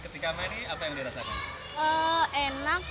terus ketika main ini apa yang dirasakan